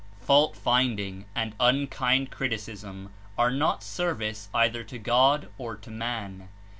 Fault finding and unkind criticism are not service either to God or to man.